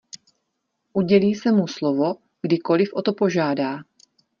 Udělí se mu slovo, kdykoliv o to požádá.